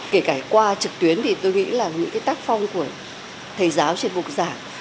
kể cả qua trực tuyến thì tôi nghĩ là những tác phong của thầy giáo trên bục giảng